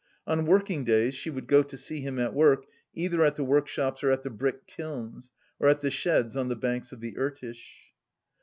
On working days she would go to see him at work either at the workshops or at the brick kilns, or at the sheds on the banks of the Irtish.